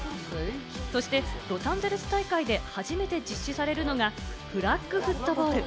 そしてロサンゼルス大会で初めて実施されるのが、フラッグフットボール。